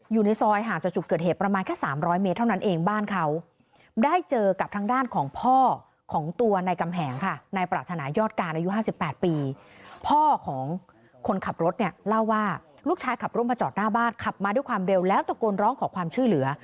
ลูกชายขับรถมาจอดหน้าบ้านขับมาด้วยความเร็วแล้วตะโกนร้องขอความช่วยเหลือ